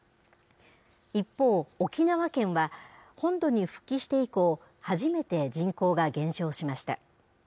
一方、沖縄県は、本土に復帰して以降、初めて人口が減少しました。